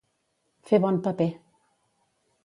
Fer bon paper.